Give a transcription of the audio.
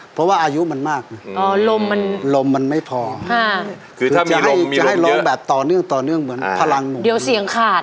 เพราะอายุมันไม่พอคุณต้องบอกว่าลองแบบต่อเนื่องเพื่อหนัก